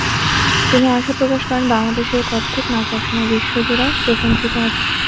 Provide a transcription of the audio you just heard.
তিনি আশা প্রকাশ করেন, বাংলাদেশের কত্থক নাচ একসময় বিশ্বজোড়া প্রশংসিত হবে।